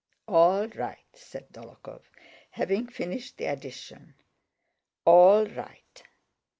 "All right!" said Dólokhov, having finished the addition. "All right!